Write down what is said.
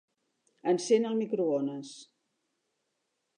Encén el microones.